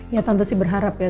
ya tentu sih berharap ya